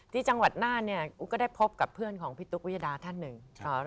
ที่จังหวัดน่านเนี่ยก็ได้พบกับเพื่อนของพี่ตุ๊กวิยดาท่านหนึ่ง